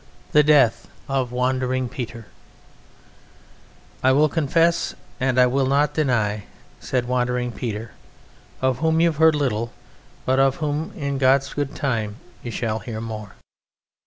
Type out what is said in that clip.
THE DEATH OF WANDERING PETER "I will confess and I will not deny," said Wandering Peter (of whom you have heard little but of whom in God's good time you shall hear more).